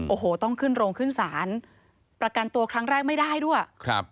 โอ้โหต้องขึ้นโรงขึ้นศาลประกันตัวครั้งแรกไม่ได้ด้วยครับ